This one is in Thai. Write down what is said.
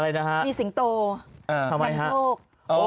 อะไรนะครับทำไมครับมีสิงโตนำโชค